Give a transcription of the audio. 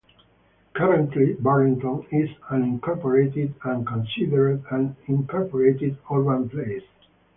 Currently, Burlington is unincorporated and considered an unincorporated urban place.